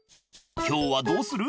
今日はどうする？